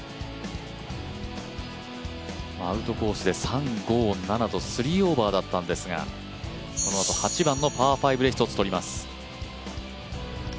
アウトコースで３、５、７だったんですがこのあと８番のパー５で一つとります。